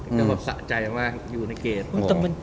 ก็แบบสะใจมากอยู่ในเกม